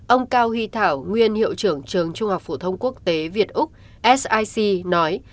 ông cao huy thảo nguyên hiệu trưởng trường trung học phổ thông quốc tế việt úc sic nói